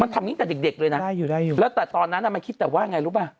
มันทำนี้ที่แต่เด็กเลยนะแล้วตอนนั้นมันคิดแต่ว่าอย่างไร